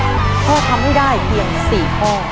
เพราะทำให้ได้เพียง๔ข้อ